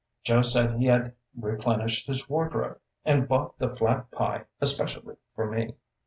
Joe said he had replenished his wardrobe, and bought the flat pie especially for me.